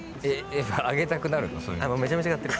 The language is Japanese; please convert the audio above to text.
あげたくなるの？